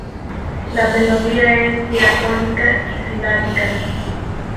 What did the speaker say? La melodía es diatónica y silábica.